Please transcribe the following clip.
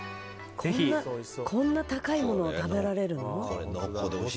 こんな高いものを食べられるの？